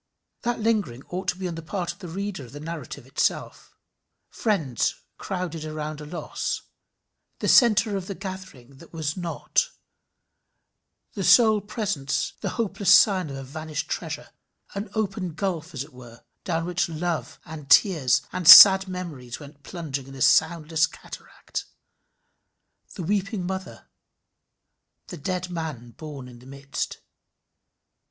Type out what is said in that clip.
That lingering ought to be on the part of the reader of the narrative itself. Friends crowded around a loss the centre of the gathering that which was not the sole presence the hopeless sign of a vanished treasure an open gulf, as it were, down which love and tears and sad memories went plunging in a soundless cataract: the weeping mother the dead man borne in the midst.